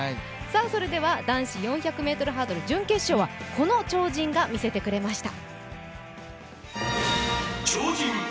それでは男子４００ｍ準決勝はこの超人が見せてくれました。